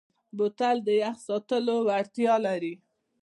بوتل د یخ ساتلو وړتیا لري.